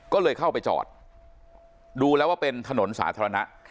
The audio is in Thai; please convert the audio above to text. ก็เลยเข้าไปจอดดูแล้วว่าเป็นถนนสาธารณะ